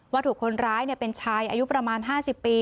ถูกคนร้ายเป็นชายอายุประมาณ๕๐ปี